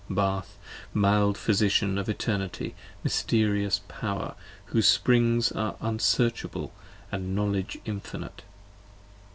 p. 46 BATH, mild Physician of Eternity, mysterious power Whose springs are unsearchable & knowledge infinite.